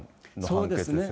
そうですね。